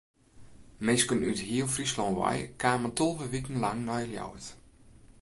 Minsken út heel Fryslân wei kamen tolve wiken lang nei Ljouwert.